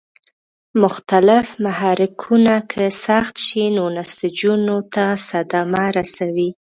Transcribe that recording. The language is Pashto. مختلف محرکونه که سخت شي نو نسجونو ته صدمه رسوي.